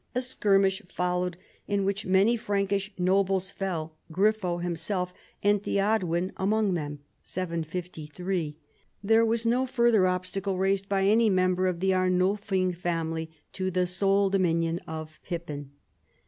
A skirmish followed, in which many Frankish nobles fell, Grifo himself and Theodowin among them (753). There was no further obstacle raised by any member of the Arnulfing family to the sole domination of Pippin.